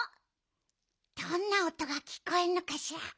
どんなおとがきこえるのかしら。